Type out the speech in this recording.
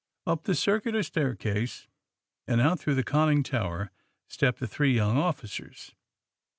Up the circular staircase and out through the conning tower stepped the three young officers.